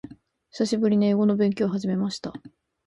久しぶりに英語の勉強を始めました。